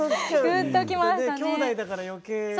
きょうだいだから余計。